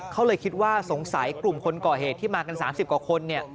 เขาเลยคิดว่าสงสัยกลุ่มคนก่อเหตุที่มากัน๓๐กว่าคน